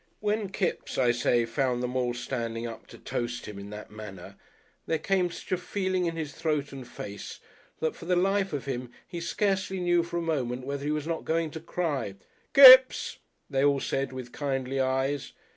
When Kipps, I say, found them all standing up to toast him in that manner, there came such a feeling in his throat and face that for the life of him he scarcely knew for a moment whether he was not going to cry. "Kipps!" they all said, with kindly eyes.